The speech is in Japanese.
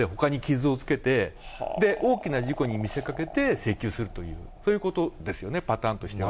それをやるのに、ちっちゃい傷ではしょうがないので、ほかに傷をつけて、で、大きな事故に見せかけて、請求するという、そういうことですよね、パターンとしては。